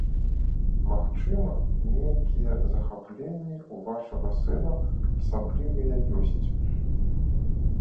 Магчыма, нейкія захапленні ў вашага сына асаблівыя ёсць.